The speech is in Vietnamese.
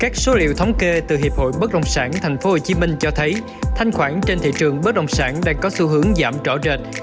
theo thống kê từ hiệp hội bất động sản tp hcm cho thấy thanh khoản trên thị trường bất động sản đang có xu hướng giảm rõ rệt